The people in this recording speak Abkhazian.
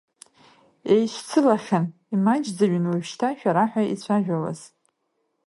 Еишьцылахьан, имаҷӡаҩын уажәшьҭа шәара ҳәа еицәажәауаз.